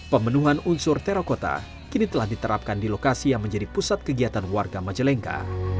pemenuhan unsur terakota kini telah diterapkan di lokasi yang menjadi pusat kegiatan warga majalengka